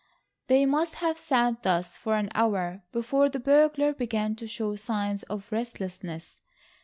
They must have sat thus for an hour, before the burglar began to show signs of restlessness.